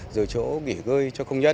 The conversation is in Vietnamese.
rồi chỗ nghỉ gơi cho công nhân